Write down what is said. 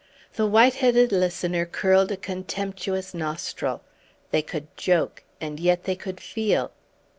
The white headed listener curled a contemptuous nostril. They could joke, and yet they could feel!